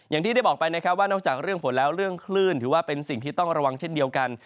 อย่างที่ได้บอกไปนะครับว่านอกจากเรื่องฝนแล้วเรื่องคลื่นถือว่าเป็นสิ่งที่ต้องระวังเช่นเดียวกัน